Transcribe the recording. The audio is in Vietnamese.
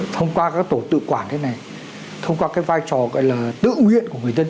thông qua các tổ tự quản thế này thông qua cái vai trò gọi là tự nguyện của người dân